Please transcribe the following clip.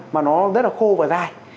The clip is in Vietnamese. mà nó rất là khô và dai